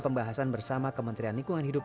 pembahasan bersama kementerian lingkungan hidup